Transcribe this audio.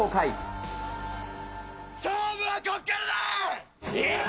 勝負はここからだ。